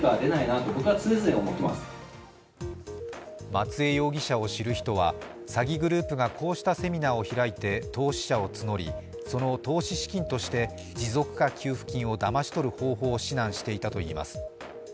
松江容疑者を知る人は詐欺グループがこうしたセミナーを開いて投資者を募り、その投資資金として持続化給付金をだまし取る方法を指南していたといいます。